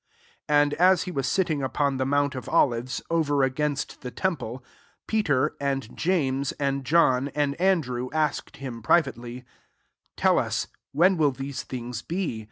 5 And as he was sitting^ upon the mount of Olives, over against the temple, Peter, and James, and John« and Andrew, asked him privately, 4 ^^«TeU us, when will these things be